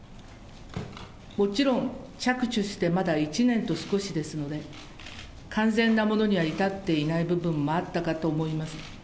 もちろん着手してまだ１年と少しですので、完全なものには至っていない部分もあったかと思います。